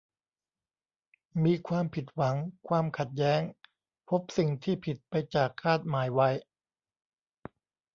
มีความผิดหวัง ความขัดแย้ง พบสิ่งที่ผิดไปจากคาดหมายไว้